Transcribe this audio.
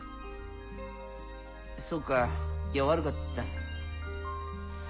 そうかいや悪かった。